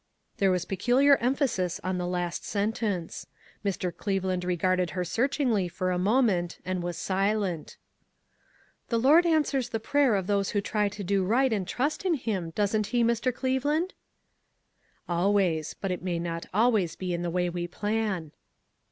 There was peculiar emphasis in the last sentence. Mr. Cleveland regarded her search ingly for a moment and was silent. " The Lord answers the prayer of those who try to do right and trust in him, doesn't he, Mr. Cleveland?" I2O ONE COMMONPLACE DAY. {'Always. But it may not always be in the way we plan."